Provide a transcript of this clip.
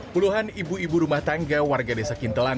puluhan ibu ibu rumah tangga warga desa kintelan